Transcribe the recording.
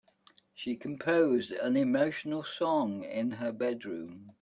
She composed an emotional song in her bedroom.